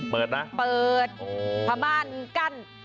เปิดนะเปิดประมาณกัน